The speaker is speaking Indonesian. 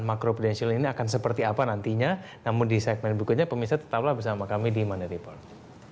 makro pdential ini akan seperti apa nantinya namun di segmen berikutnya pemirsa tetaplah bersama kami di money report